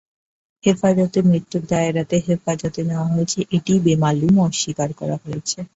হেফাজতে মৃত্যুর দায় এড়াতে হেফাজতে নেওয়া হয়েছে এটিই বেমালুম অস্বীকার করা হয়েছে।